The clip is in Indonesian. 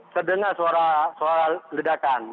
terdengar suara ledakan